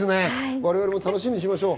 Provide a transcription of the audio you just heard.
我々も楽しみにしましょう。